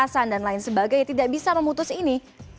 tindakan kekerasan dan lain sebagainya tidak bisa memutus ini